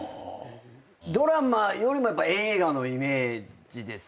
ドラマよりも映画のイメージですね。